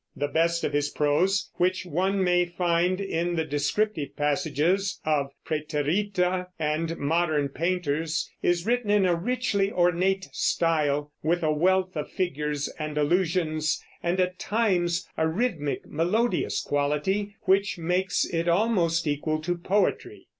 The best of his prose, which one may find in the descriptive passages of Præterita and Modern Painters, is written in a richly ornate style, with a wealth of figures and allusions, and at times a rhythmic, melodious quality which makes it almost equal to poetry.